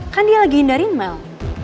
kan dia lagi hindari mel